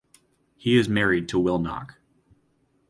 He is married to Will Knock.